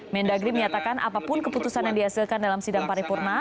mendagri menyatakan apapun keputusan yang dihasilkan dalam sidang paripurna